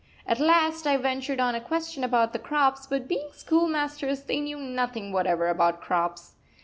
At last I ventured on a question about the crops, but being schoolmasters they knew nothing whatever about crops.